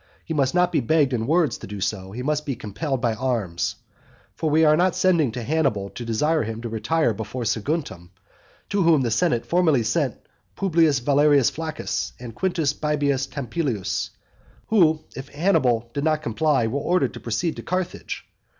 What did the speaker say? He must not be begged in words to do so; he must be compelled by arms. For we are not sending to Hannibal to desire him to retire from before Saguntum; to whom the senate formerly sent Publius Valerius Flaccus and Quintus Baebius Tampilus; who, if Hannibal did not comply, were ordered to proceed to Carthage.